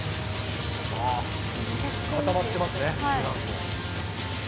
固まってますね。